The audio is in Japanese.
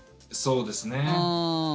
そうですね。